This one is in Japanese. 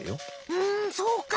ふんそうか。